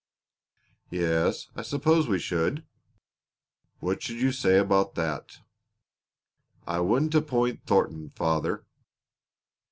"Yes, I suppose we should." "What should you say about that?" "I wouldn't appoint Thornton, father!"